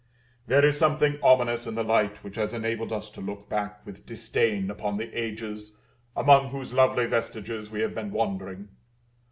There is something ominous in the light which has enabled us to look back with disdain upon the ages among whose lovely vestiges we have been wandering.